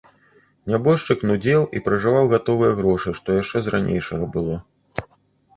Нябожчык нудзеў і пражываў гатовыя грошы, што яшчэ з ранейшага было.